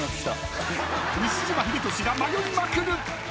西島秀俊が迷いまくる！